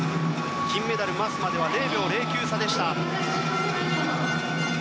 金メダルのマスまでは０秒９９差でした。